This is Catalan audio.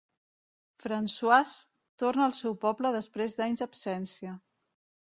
François torna al seu poble després d'anys d'absència.